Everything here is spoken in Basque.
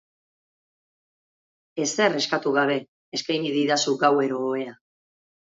Ezer eskatu gabe eskeini didazu gauero ohea.